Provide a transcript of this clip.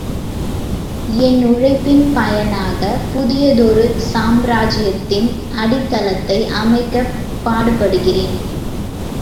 என் உழைப்பின் பயனாகப் புதியதொரு சாம்ராஜ்யத்தின் அடித்தளத்தை அமைக்கப் பாடுபடுகிறேன்.